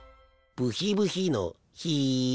ブヒブヒのヒ。